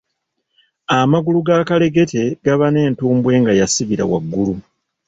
Amagulu agakalegete gaba n’entumbwe nga yasibira waggulu.